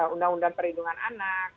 undang undang perlindungan anak